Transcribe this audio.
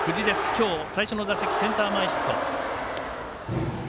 今日最初の打席センター前ヒット。